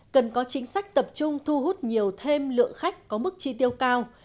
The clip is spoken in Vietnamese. cần có chính sách tập trung thu hút nhiều thêm lượng khách có mức chi tiêu cao